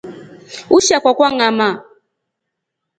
Ulisha kwakwa ngamaa.